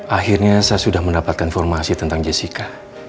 akhirnya saya sudah mendapatkan informasi tentang jessica